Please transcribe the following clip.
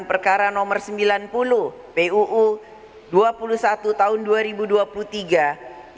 dan perubahan undang undang penyiaran sedangkan terhadap putusan perkara nomor sembilan puluh puu dua puluh satu tahun dua ribu dua puluh tiga